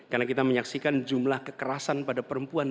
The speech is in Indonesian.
karena kita menyaksikan jumlah kekerasan pada perempuan